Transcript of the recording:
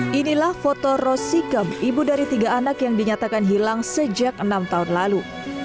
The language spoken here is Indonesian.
hai inilah foto rosi kem ibu dari tiga anak yang dinyatakan hilang sejak enam tahun lalu